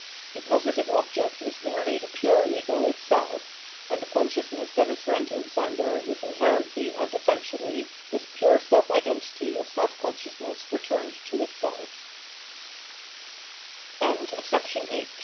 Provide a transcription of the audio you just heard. The positive object is merely the pure ego itself ; and the consciousness that is rent in sunder is inherently and essentially this pure self identity of self consciousness